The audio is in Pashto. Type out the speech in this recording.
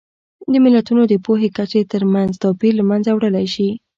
د ملتونو د پوهې کچې ترمنځ توپیر له منځه وړلی شي.